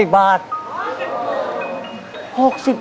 ๑๐บาท